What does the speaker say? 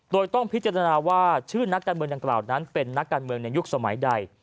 โดยต้องพิจารณาว่าชื่อนักการเมืองดังกล่าวนั้นเป็นนักการเมืองในยุคสมัยใด